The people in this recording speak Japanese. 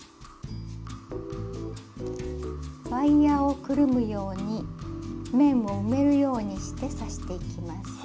ワイヤーをくるむように面を埋めるようにして刺していきます。